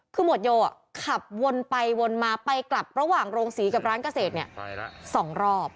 คือหมวดโยขับวนไปวนมาไปกลับระหว่างโรงศรีกับร้านเกษตรเนี่ย๒รอบ